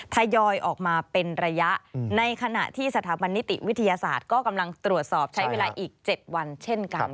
ทยอยออกมาเป็นระยะในขณะที่สถาบันนิติวิทยาศาสตร์ก็กำลังตรวจสอบใช้เวลาอีก๗วันเช่นกัน